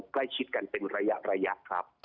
ใกล้ชิดกันเป็นระยะครับ